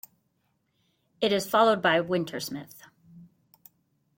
It is followed by "Wintersmith".